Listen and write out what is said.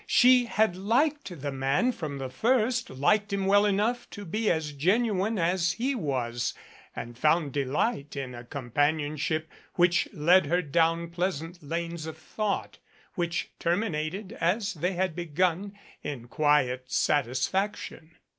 She had liked the man from the first, liked him well enough to be as genuine as he was, and found delight in a companion ship which led her down pleasant lanes of thought which terminated, as they had begun, in quiet satisfaction.